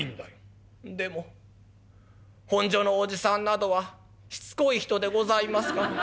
「でも本所のおじさんなどはしつこい人でございますから」。